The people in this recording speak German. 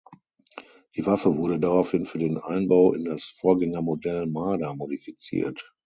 Die Waffe wurde daraufhin für den Einbau in das Vorgängermodell Marder modifiziert.